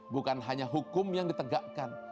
bukan hanya hukum yang ditegakkan